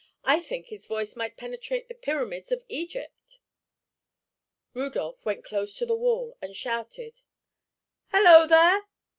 "I think his voice might penetrate the pyramids of Egypt." Rudolph went close to the wall and shouted: "Hello, there!